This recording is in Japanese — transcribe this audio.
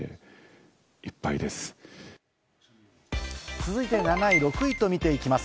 続いて７位、６位と見ていきます。